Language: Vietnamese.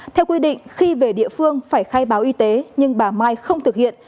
theo quy định khi về địa phương phải khai báo y tế nhưng bà mai không thực hiện